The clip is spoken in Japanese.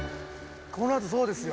このあとそうですよ。